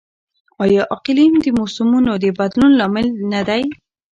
آیا اقلیم د موسمونو د بدلون لامل نه دی؟